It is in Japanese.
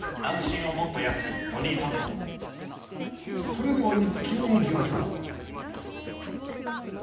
それでは「イッキ見」いきましょう。